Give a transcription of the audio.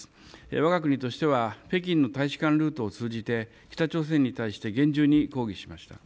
わが国としては北京の大使館ルートを通じて北朝鮮に対して厳重に抗議しました。